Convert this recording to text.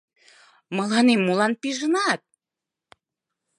— Мыланем молан пижынат?